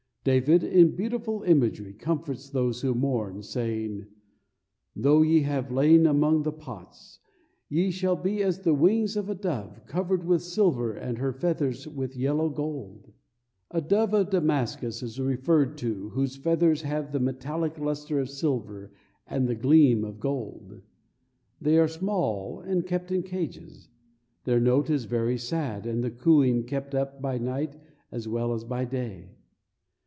David, in beautiful imagery, comforts those who mourn, saying: "Though ye have lain among the pots, ye shall be as the wings of a dove covered with silver and her feathers with yellow gold." A dove of Damascus is referred to whose feathers have the metallic luster of silver and the gleam of gold. They are small and kept in cages. Their note is very sad and the cooing kept up by night as well as by day.